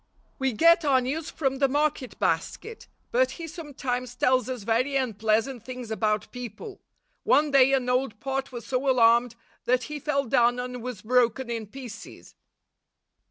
We get our news from the market basket, but he sometimes tells us very unpleasant things about people. One day an old pot was so alarmed, that he fell down and was broken in pieces.